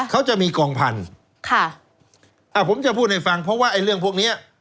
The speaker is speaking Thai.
เขาจะมีกองพันธุ์ค่ะอ่าผมจะพูดให้ฟังเพราะว่าไอ้เรื่องพวกเนี้ย